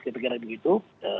kita kira begitu